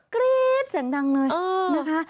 กรี๊ดเสียงดังเลยนะคะ